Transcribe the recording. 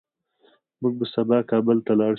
موږ به سبا کابل ته لاړ شو